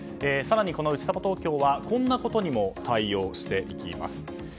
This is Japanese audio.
更に、うちさぽ東京はこんなことにも対応していきます。